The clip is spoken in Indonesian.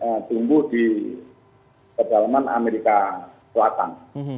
memang asli tumbuh di kedalaman amerika selatan